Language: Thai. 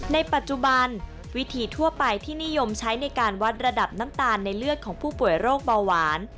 ในปัจจุบันวิธีทั่วไปที่นิยมใช้ในการวัดระดับน้ำตาลในเลือดของผู้ป่วยโรคเบาหวาน